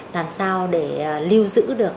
làm sao để lưu giữ được